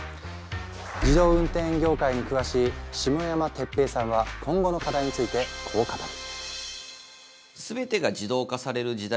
自動運転業界に詳しい下山哲平さんは今後の課題についてこう語る。